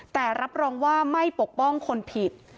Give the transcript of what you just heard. แต่รับรองว่าไม่ปกป้องคนผิด